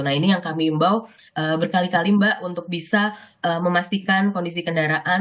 nah ini yang kami imbau berkali kali mbak untuk bisa memastikan kondisi kendaraan